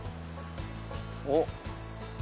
おっ。